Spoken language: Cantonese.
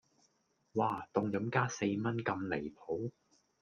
嘩,凍飲加四蚊咁離譜